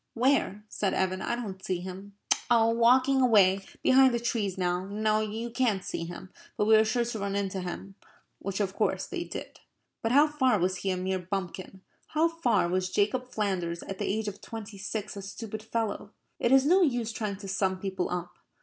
"Where?" said Evan. "I don't see him." "Oh, walking away behind the trees now. No, you can't see him. But we are sure to run into him," which, of course, they did. But how far was he a mere bumpkin? How far was Jacob Flanders at the age of twenty six a stupid fellow? It is no use trying to sum people up.